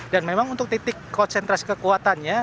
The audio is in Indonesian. dan memang untuk titik konsentrasi kekuatannya